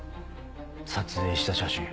撮影した写真。